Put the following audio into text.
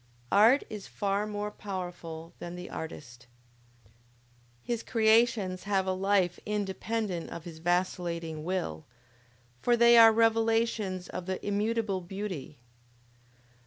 Art is far more powerful than the artist. His creations have a life independent of his vacillating will; for they are revelations of the "immutable beauty!"